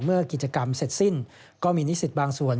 เมื่อกิจกรรมเสร็จสิ้นก็มีนิสิตบางส่วน